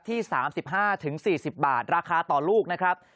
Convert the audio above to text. ที่๓๕๔๐บาทราคาต่อลูกนะครับ